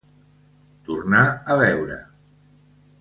Tornar a veure.